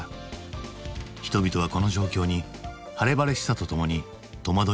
人々はこの状況に晴れ晴れしさとともに戸惑いも感じていた。